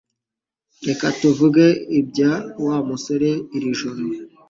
Reka tuvuge ibya Wa musore iri joro